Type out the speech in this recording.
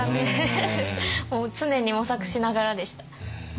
もう常に模索しながらでした。